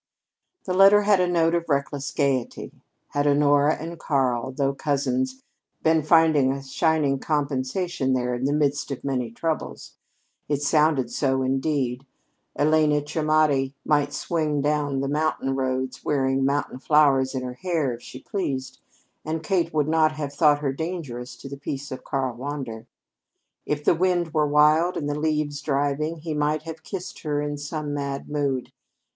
The letter had a note of reckless gayety. Had Honora and Karl, though cousins, been finding a shining compensation there in the midst of many troubles? It sounded so, indeed. Elena Cimiotti might swing down the mountain roads wearing mountain flowers in her hair if she pleased, and Kate would not have thought her dangerous to the peace of Karl Wander. If the wind were wild and the leaves driving, he might have kissed her in some mad mood.